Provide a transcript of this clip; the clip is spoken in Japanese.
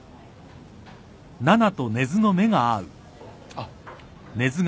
あっ。